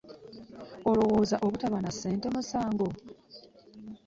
Olowooza obutaba na ssente musango?